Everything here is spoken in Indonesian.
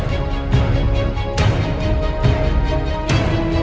kamu ngapain disini